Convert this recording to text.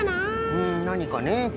うんなにかね。